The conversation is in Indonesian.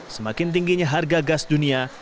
semakin tingginya harga gas dunia